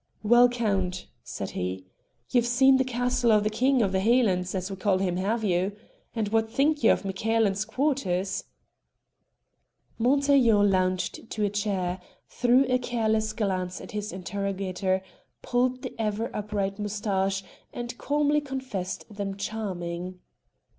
"Well, Count," said he, "ye've seen the castle of the King o' the Hielan's, as we call him, have you? And what think ye of MacCailen's quarters?" Montaiglon lounged to a chair, threw a careless glance at his interrogator, pulled the ever upright moustache, and calmly confessed them charming.